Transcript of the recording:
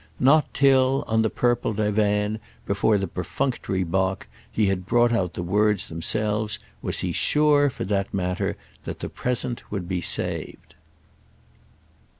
Not till, on the purple divan before the perfunctory bock, he had brought out the words themselves, was he sure, for that matter, that the present would be saved.